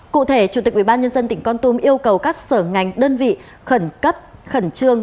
cụ thể chủ tịch ubnd tỉnh con tum yêu cầu các sở ngành đơn vị khẩn cấp khẩn trương